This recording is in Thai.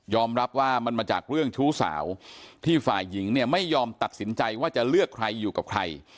รับว่ามันมาจากเรื่องชู้สาวที่ฝ่ายหญิงเนี่ยไม่ยอมตัดสินใจว่าจะเลือกใครอยู่กับใคร